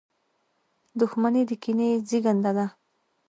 • دښمني د کینې زېږنده ده.